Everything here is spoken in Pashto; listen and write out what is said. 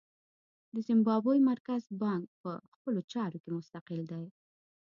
د زیمبابوې مرکزي بانک په خپلو چارو کې مستقل دی.